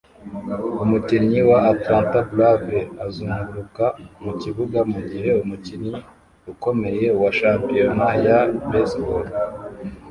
Umukinnyi wa Atlanta Brave azunguruka mukibuga mugihe umukino ukomeye wa shampiyona ya baseball